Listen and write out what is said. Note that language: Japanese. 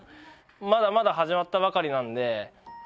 まだまだ始まったばかりなのであのうん。